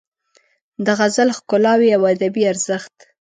د غزل ښکلاوې او ادبي ارزښت